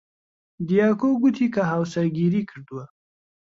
دیاکۆ گوتی کە هاوسەرگیری کردووە.